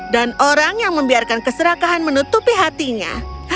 dan orang yang membiarkan keserakahan menutupi hatinya